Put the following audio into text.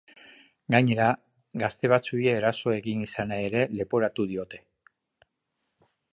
Gainera, gazte batzuei eraso egin izana ere leporatu diote.